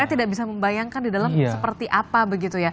saya tidak bisa membayangkan di dalam seperti apa begitu ya